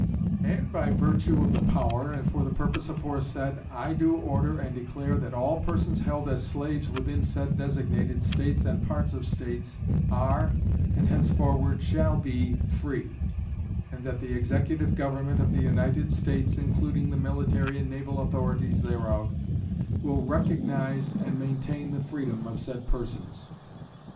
And by virtue of the power and for the purpose aforesaid, I do order and declare that all persons held as slaves within said designated States and parts of States are and henceforward shall be FREE; and that the Executive Government of the United States, including the military and naval authorities thereof, will recognize and maintain the freedom of said persons.